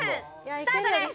スタートです。